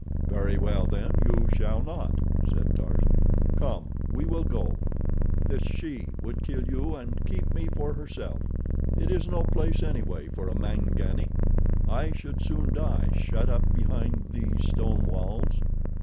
"Very well then, you shall not," said Tarzan. "Come! We will go. This SHE would kill you and keep me for herself. It is no place anyway for a Mangani. I should soon die, shut up behind these stone walls."